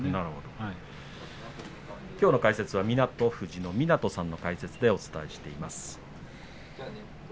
きょうの解説は湊富士の湊さんの解説でお伝えしています。